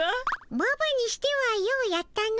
ババにしてはようやったの。